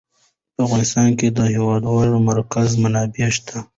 په افغانستان کې د د هېواد مرکز منابع شته.